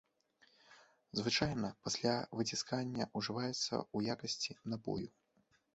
Звычайна, пасля выціскання, ужываецца ў якасці напою.